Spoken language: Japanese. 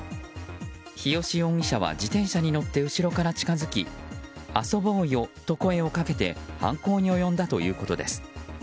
日吉容疑者は、自転車に乗って後ろから近づき遊ぼうよと声をかけて犯行に及んだということです。